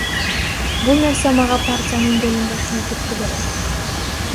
Бул нерсе мага партиянын бөлүнбөшүнө түрткү берди.